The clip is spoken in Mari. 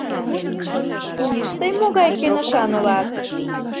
Иш тый могай кӧнышан улат...